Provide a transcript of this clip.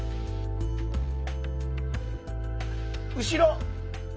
後ろ。